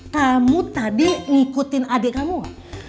kamu tadi ngikutin adik kamu gak